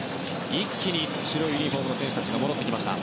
一気に白いユニホームの選手たちが戻ってきました。